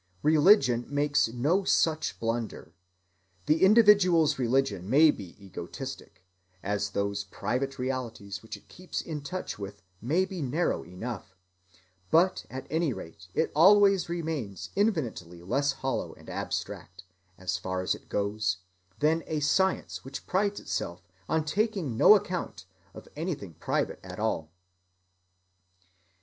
Religion makes no such blunder. The individual's religion may be egotistic, and those private realities which it keeps in touch with may be narrow enough; but at any rate it always remains infinitely less hollow and abstract, as far as it goes, than a science which prides itself on taking no account of anything private at all.